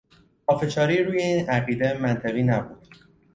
پافشاری روی این عقیده منطقی نبود.